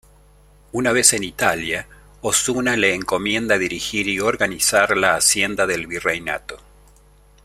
Una vez en Italia, Osuna le encomienda dirigir y organizar la Hacienda del Virreinato.